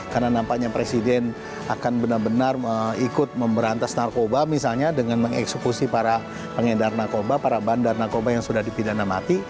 karena nampaknya presiden akan benar benar ikut memberantas narkoba misalnya dengan mengeksekusi para pengedar narkoba para bandar narkoba yang sudah dipidana mati